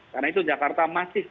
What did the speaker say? karena itu jakarta masih